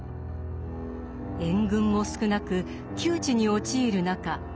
援軍も少なく窮地に陥る中